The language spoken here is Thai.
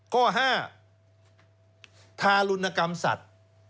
ข้อ๕ทารุณกรรมสัตว์